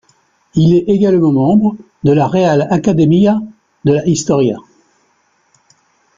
Il est également membre de la Real Academia de la Historia.